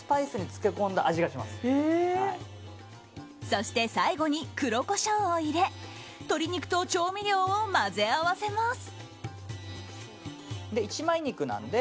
そして最後に黒コショウを入れ鶏肉と調味料を混ぜ合わせます。